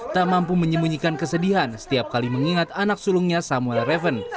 tak mampu menyembunyikan kesedihan setiap kali mengingat anak sulungnya samuel reven